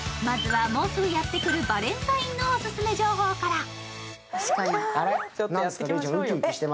まずは、もうすぐやってくるバレンタインのオススメ情報から。